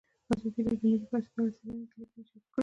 ازادي راډیو د مالي پالیسي په اړه څېړنیزې لیکنې چاپ کړي.